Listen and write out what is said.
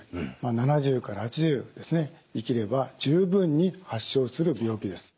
７０から８０生きれば十分に発症する病気です。